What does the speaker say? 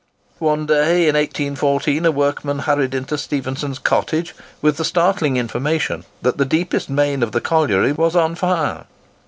One day, in 1814, a workman hurried into Stephenson's cottage with the startling information that the deepest main of the colliery was on fire!